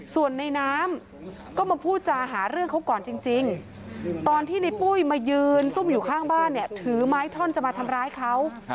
ส่วนในน้ำก็มาพูดจาหาเรื่องเขาก่อนจริงตอนที่ในปุ้ยมายืนซุ่มอยู่ข้างบ้านเนี่ยถือไม้ท่อนจะมาทำร้ายเขา